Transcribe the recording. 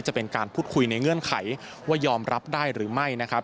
จะเป็นการพูดคุยในเงื่อนไขว่ายอมรับได้หรือไม่นะครับ